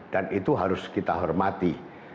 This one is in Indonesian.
dan itu harus kita hormati